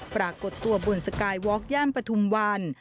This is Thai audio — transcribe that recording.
ปรากฏตัวบนสกายวอล์กย่านปฐุมวัน